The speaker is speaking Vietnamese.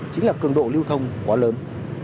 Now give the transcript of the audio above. chính là cường độ lưu thông quá lớn